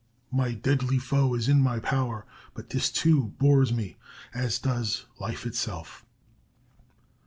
_' "('My deadly foe is in my power; but this, too, bores me, as does life itself.')"